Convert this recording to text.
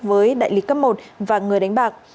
với đại lý cấp một và người đánh bạc